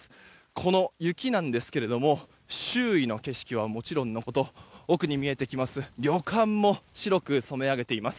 この雪なんですけれども周囲の景色はもちろんのこと奥に見えてきます旅館も白く染め上げています。